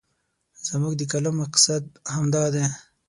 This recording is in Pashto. زموږ د کالم مقصد همدا دی.